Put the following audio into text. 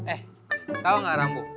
eh tau gak rambu